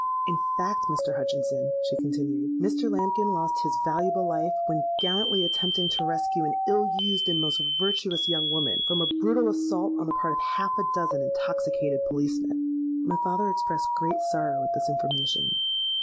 'In fact, Mr. Hutchinson,' she continued, 'Mr. Lambkin lost his valuable life when gallantly attempting to rescue an ill used and most virtuous young woman from a brutal assault on the part of half a dozen intoxicated policemen.'—My father expressed great sorrow at this information.